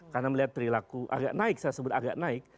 karena melihat perilaku agak naik saya sebut agak naik